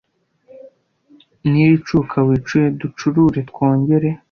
Niricuka wicuye Ducurure twongere